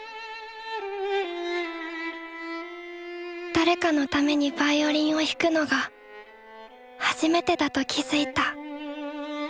誰かのためにヴァイオリンを弾くのが初めてだと気付いた。